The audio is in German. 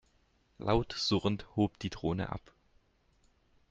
Laut surrend hob die Drohne ab.